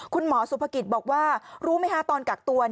คุณหมอสุภกิจบอกว่ารู้ไหมคะตอนกักตัว